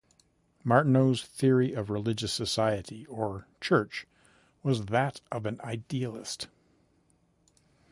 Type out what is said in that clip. Martineau's theory of religious society, or church, was that of an idealist.